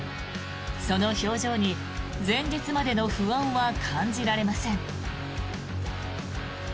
その表情に前日までの不安は感じられません。